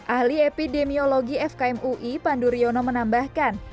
ahli epidemiologi fkm ui panduryono menambahkan